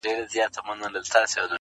o له نه مړو ملک، سو ميرو.